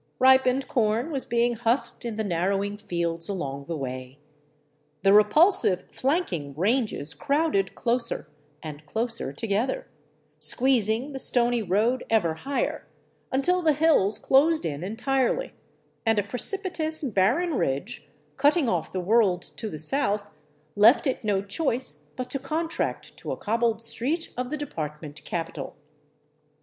Ripened corn was being husked in the narrowing fields along the way. The repulsive, flanking ranges crowded closer and closer together, squeezing the stony road ever higher, until the hills closed in entirely, and a precipitous, barren ridge, cutting off the world to the south, left it no choice but to contract to a cobbled street of the department capital.